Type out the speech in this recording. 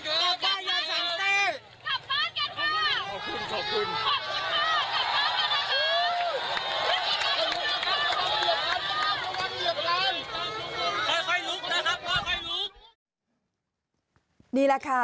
เข้าจากบ้านกับสันเตภ